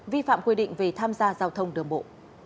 vi phạm quy định về tham gia giao thông đường bộ